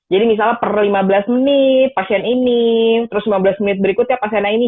jadi misalnya per lima belas menit pasien ini terus lima belas menit berikutnya pasiennya ini